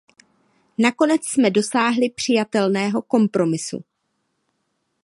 Nakonec jsme dosáhli přijatelného kompromisu.